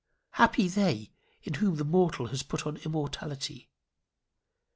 Happy they in whom the mortal has put on immortality!